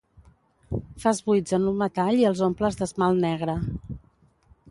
Fas buits en un metall i els omples d'esmalt negre.